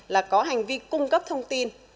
là có hành vi cung cấp thông tin